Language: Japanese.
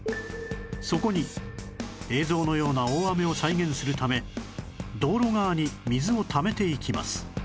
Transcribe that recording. そこに映像のような大雨を再現するため道路側に水をためていきます